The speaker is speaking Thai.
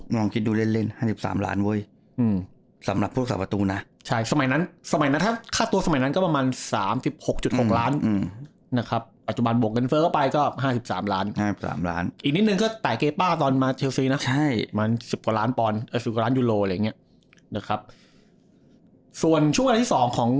มัน๑๐กว่าล้านยูโรอะไรอย่างนี้นะครับส่วนช่วงเวลาที่๒ของ